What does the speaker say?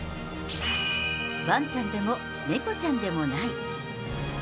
ワンちゃんでもネコちゃんでもない。